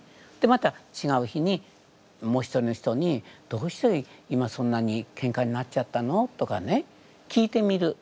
また違う日にもう一人の人に「どうして今そんなにけんかになっちゃったの？」とかね聞いてみる。